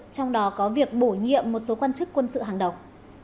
trong đó có việc bổ nhiệm một số quan chức quân sự hàng đầu